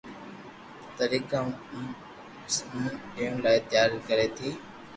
طريقي سان منهن ڏيڻ لاءِ تيار ڪري ٿي